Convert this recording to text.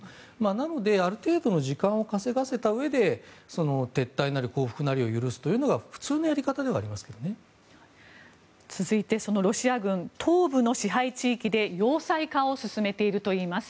なのである程度の時間を稼がせたうえで撤退なり報復なりを許すというのが続いてロシア軍東部の支配地域で要塞化を進めているといいます。